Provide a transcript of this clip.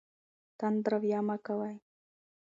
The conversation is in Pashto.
تند رویه مه کوئ.